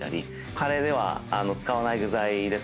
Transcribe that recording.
カレーでは使わない具材ですね。